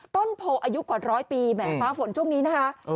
ต้นโพอายุกว่าร้อยปีแหมฟ้าฝนช่วงนี้นะคะ